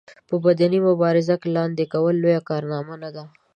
په بدني مبارزه کې لاندې کول لويه کارنامه نه ده.